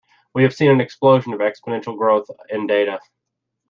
We have seen an explosion of exponential growth in data.